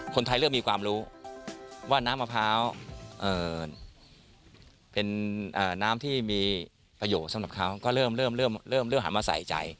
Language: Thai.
คนไทยเริ่มมีความรู้ว่าน้ำมะพร้าวเป็นน้ำที่มีประโยชน์สำหรับเขาก็เริ่มหันมาใส่ใจ